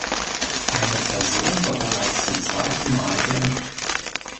Eine Person war bereits zum zweiten Mal geimpft.